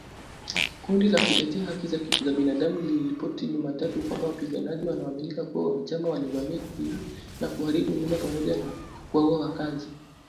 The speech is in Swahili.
Kundi la kutetea haki za binadamu liliripoti Jumatatu kwamba wapiganaji wanaoaminika kuwa wanachama walivamia kijiji na kuharibu nyumba pamoja na kuwaua wakazi.